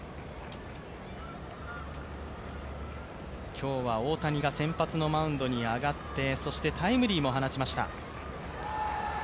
今日は大谷が先発のマウンドに上がってそしてタイムリーも放ちました。